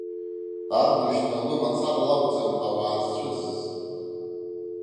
Ардушьна лымацара лакәӡам ауаа зцәыӡыз.